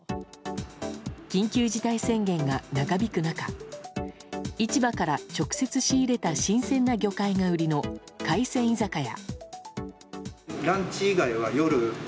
緊急事態宣言が長引く中市場から直接仕入れた新鮮な魚介が売りの海鮮居酒屋。